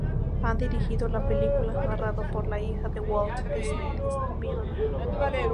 Hahn dirigió la película, narrado por la hija de Walt Disney, Disney Miller.